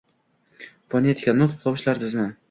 Fonetika - nutq tovushlari tizimi